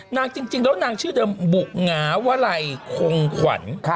นางจริงแล้วนางชื่อเดิมบุหงาวะไหล่คงขวัญ